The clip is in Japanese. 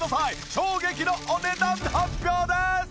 衝撃のお値段発表です！